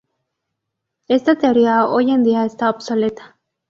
Esta teoría hoy en día está obsoleta.